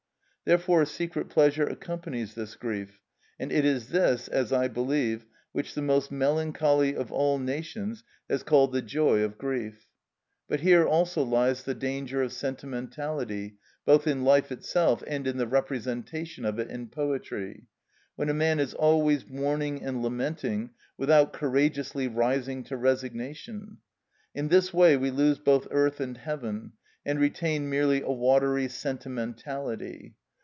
Therefore a secret pleasure accompanies this grief, and it is this, as I believe, which the most melancholy of all nations has called "the joy of grief." But here also lies the danger of sentimentality, both in life itself and in the representation of it in poetry; when a man is always mourning and lamenting without courageously rising to resignation. In this way we lose both earth and heaven, and retain merely a watery sentimentality.